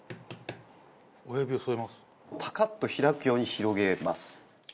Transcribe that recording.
パカッと開くように広げます。